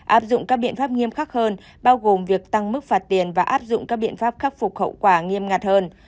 áp dụng các biện pháp nghiêm khắc hơn bao gồm việc tăng mức phạt tiền và áp dụng các biện pháp khắc phục khẩu quả nghiêm ngặt hơn